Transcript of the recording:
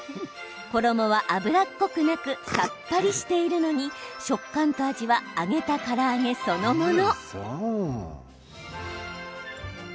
衣は脂っこくなくさっぱりしているのに食感と味は揚げたから揚げそのもの。